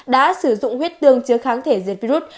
đã sử dụng huyết tương chứa kháng thể diệt virus